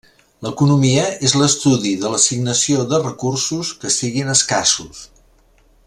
L'Economia és l'estudi de l'assignació de recursos que siguin escassos.